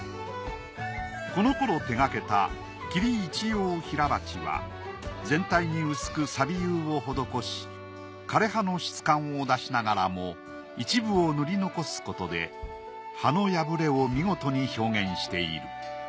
この頃手がけた『桐一葉平鉢』は全体に薄く錆釉を施し枯れ葉の質感を出しながらも一部を塗り残すことで葉の破れを見事に表現している。